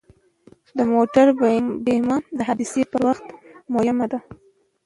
د موټر بیمه د حادثې پر وخت مهمه ده.